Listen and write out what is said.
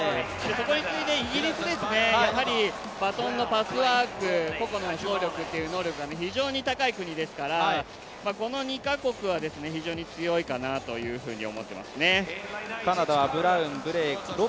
そこに次いでイギリス、バトンのパスワーク、個々の走力という能力が非常に高い国ですからこの２か国は非常に強いかなというふうに思っていますね。